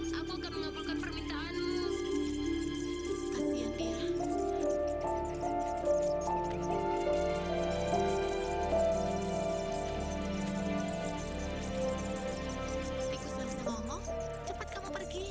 kamu yang ngabur sama grup pula tikus tikus itu